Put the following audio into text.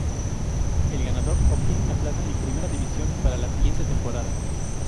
El ganador obtiene una plaza en primera división para la siguiente temporada.